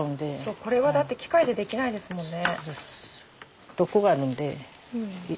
これはだって機械でできないですもんね。